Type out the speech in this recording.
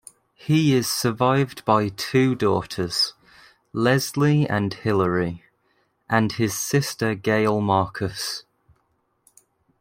He is survived by two daughters, Leslie and Hillary, and his sister Gail Marcus.